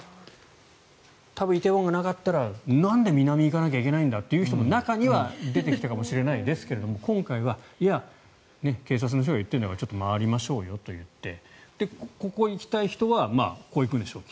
多分、梨泰院がなかったらなんで南に行かなきゃいけないんだという人も出てきたかもしれないですが今回は、いや、警察の人が言っているんだからちょっと回りましょうよと言ってここに行きたい人はこういくんでしょう。